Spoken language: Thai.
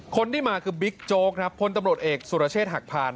คนที่มาคือบิ๊กโจ๊กครับพลตำรวจเอกสุรเชษฐหักผ่าน